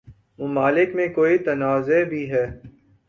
ممالک میں کوئی تنازع بھی ہے